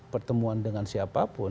pertemuan dengan siapapun